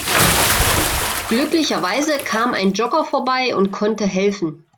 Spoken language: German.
Glücklicherweise kam ein Jogger vorbei und konnte helfen.